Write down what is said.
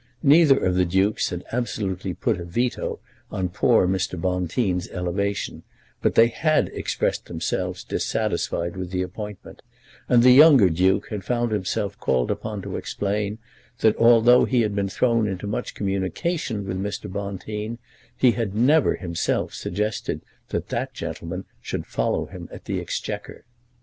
Neither of the dukes had absolutely put a veto on poor Mr. Bonteen's elevation, but they had expressed themselves dissatisfied with the appointment, and the younger duke had found himself called upon to explain that although he had been thrown much into communication with Mr. Bonteen he had never himself suggested that that gentleman should follow him at the Exchequer.